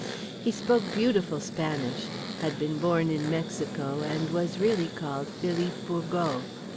He spoke beautiful Spanish, had been born in Mexico, and was really called Philippe Burgos.